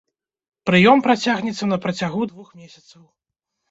Прыём працягнецца на працягу двух месяцаў.